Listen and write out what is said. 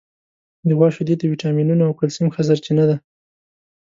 د غوا شیدې د وټامینونو او کلسیم ښه سرچینه ده.